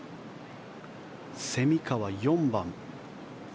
蝉川、４番。